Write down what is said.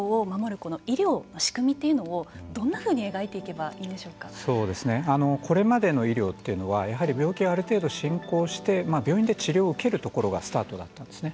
この医療の仕組みというのをどんなふうに描いていけばこれまでの医療というのはやはり病気がある程度進行して病院で治療を受けるというところがスタートだったんですね。